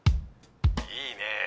いいね。